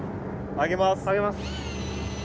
上げます。